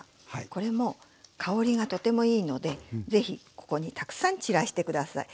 これも香りがとてもいいので是非ここにたくさん散らして下さい。